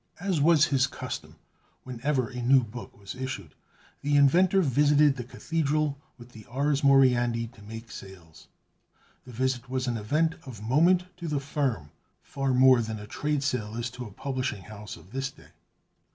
As was his custom, whenever a new book was issued, the inventor visited the Cathedral with the "Ars Moriendi" to make sales. The visit was an event of moment to the firm, far more than a trade sale is to a publishing house of this day.